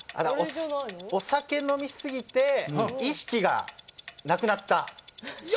お酒を飲み過ぎで意識がなくなった。